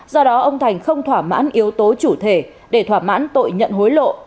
do đó ông thành không thỏa mãn yếu tố chủ thể để thỏa mãn tội nhận hối lộ